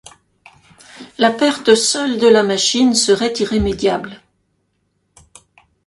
La perte seule de la machine serait irrémédiable.